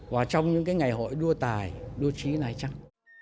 và trong những cái ngày hội đua tài đua trí này chắc